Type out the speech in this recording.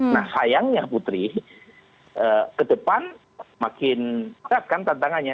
nah sayangnya putri ke depan makin dekat kan tantangannya